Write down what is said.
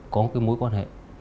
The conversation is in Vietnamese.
có cái mối quan hệ